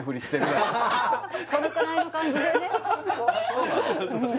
このくらいの感じでねそうなの？